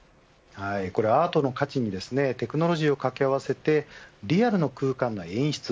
アートの価値にテクノロジーを掛け合わせてリアルの空間の演出。